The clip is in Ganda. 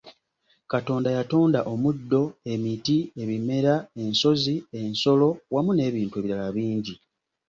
Katonda yatonda omuddo, emiti, ebimera, ensozi, ensolo wamu n’ebintu ebirala nkumu.